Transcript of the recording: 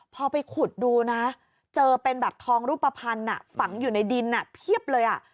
พอไปขุดดูนะเจอเป็นแบบทองรูปภัณฑ์ฝังอยู่ในดินเพียบเลย